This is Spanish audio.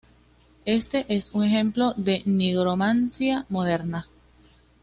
Este es un ejemplo de nigromancia moderna.